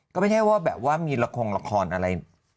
ก็ไม่ใช่ว่าแบบว่ามีละครละครอะไร